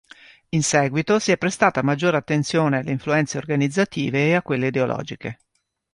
In seguito, si è prestata maggiore attenzione alle influenze "organizzative" e a quelle "ideologiche".